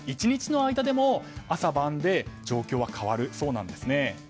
１日の間でも朝晩で状況は変わるそうなんです。